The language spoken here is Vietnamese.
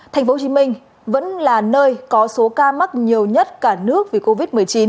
thành phố hồ chí minh vẫn là nơi có số ca mắc nhiều nhất cả nước vì covid một mươi chín